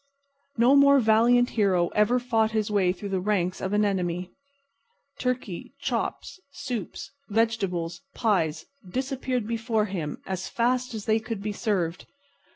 No more valiant hero ever fought his way through the ranks of an enemy. Turkey, chops, soups, vegetables, pies, disappeared before him as fast as they could be served.